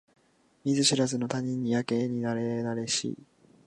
見ず知らずの他人にやけになれなれしい